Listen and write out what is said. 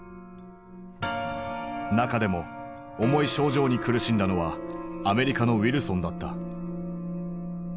中でも重い症状に苦しんだのはアメリカのウィルソンだった。